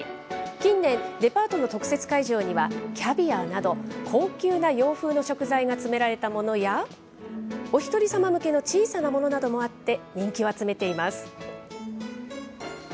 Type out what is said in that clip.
近年、デパートの特設会場には、キャビアなど、高級な洋風の食材が詰められたものや、お一人様向けの小さなものなどもあって、人気を集めています。